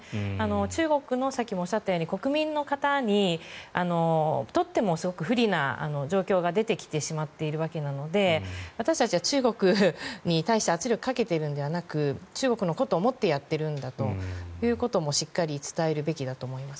中国のさっきもおっしゃったように国民の方にとってもすごく不利な状況が出てきてしまっているわけなので私たちは中国に対して圧力をかけているのではなく中国のことを思ってやっているんだということもしっかり伝えるべきだと思います。